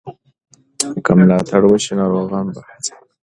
که ملاتړ وشي، ناروغان به هڅه وکړي.